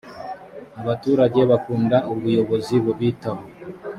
abaturage bakunda ubuyozi bubitaho.